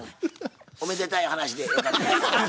おめでたい話でよかったですけど。